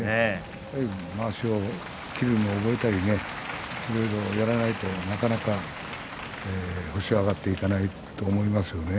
まわしを切るのを覚えたりねやらないとなかなか星が上がっていかないと思いますね。